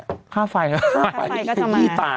ค่าไฟอะไรละ